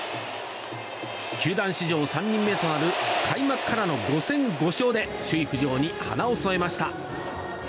球団史上３人目となる開幕から５戦５勝で首位浮上に花を添えました。